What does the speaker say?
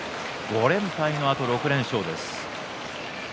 ５連敗のあと６連勝です。